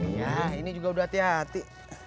nah ini juga udah hati hati